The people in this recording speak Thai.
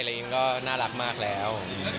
อะไรกินก็น่ารักมากแล้ว